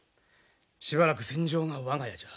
しばらく戦場が我が家じゃ。